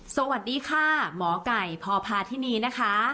สวัสดีค่ะหมอไก่พพาธินีนะคะ